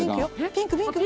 ピンクピンク！